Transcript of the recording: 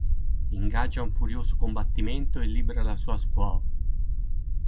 Ingaggia un furioso combattimento e libera la sua squaw.